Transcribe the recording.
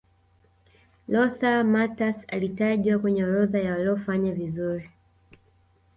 lothar matthaus alitajwa kwenye orodha ya waliofanya vizuri